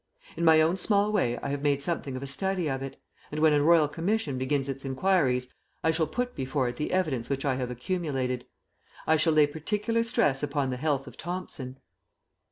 In my own small way I have made something of a study of it, and when a Royal Commission begins its enquiries, I shall put before it the evidence which I have accumulated. I shall lay particular stress upon the health of Thomson.